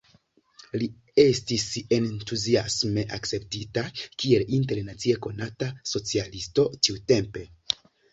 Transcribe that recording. Li estis entuziasme akceptita, kiel internacie konata socialisto tiutempe.